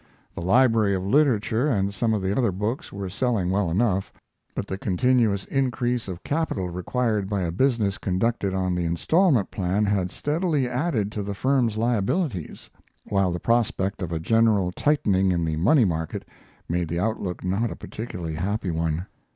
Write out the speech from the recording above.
The Library of Literature and some of the other books were selling well enough; but the continuous increase of capital required by a business conducted on the instalment plan had steadily added to the firm's liabilities, while the prospect of a general tightening in the money market made the outlook not a particularly happy one.